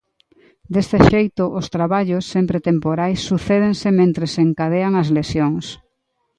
Deste xeito, os traballos, sempre temporais, sucédense mentres se encadean as lesións.